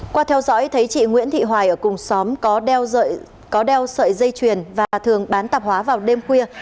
qua theo dõi thấy chị nguyễn thị hoài ở cùng xóm có đeo có đeo sợi dây chuyền và thường bán tạp hóa vào đêm khuya